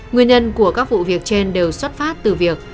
nguyên nhân của các vụ việc trên đều xuất phát từ việc